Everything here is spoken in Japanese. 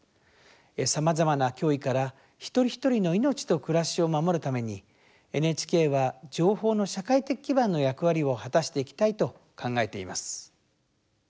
さまざまな脅威から一人一人の命と暮らしを守るためにＮＨＫは情報の社会的基盤の役割を果たしていきたいと考えています。